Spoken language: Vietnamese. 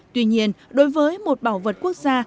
tuy nhiên đối với một bảo vật quốc gia